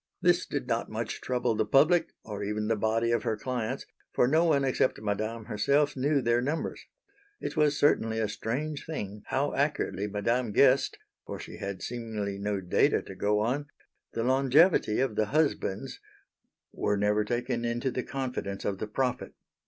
This did not much trouble the public, or even the body of her clients, for no one except Madame herself knew their numbers. It was certainly a strange thing how accurately Madame guessed, for she had seemingly no data to go on the longevity of the husbands were never taken into the confidence of the prophet.